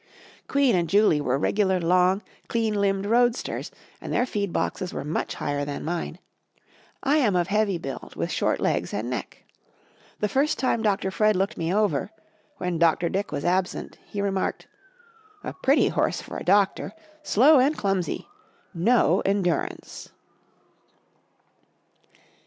Queen and Julie were regular long, clean limbed roadsters and their feed boxes were much higher than mine. I am of heavy build, with short legs and neck. The first time Dr. Fred looked me over when Dr. Dick was absent he remarked: "A pretty horse for a doctor! Slow and clumsy! No endurance!"